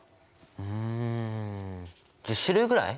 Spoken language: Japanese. うん１０種類ぐらい？